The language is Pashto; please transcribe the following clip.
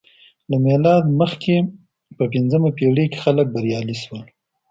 له میلاده مخکې په پنځمه پېړۍ کې خلک بریالي شول